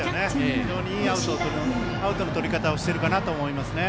非常にいいアウトのとり方をしていると思いますね。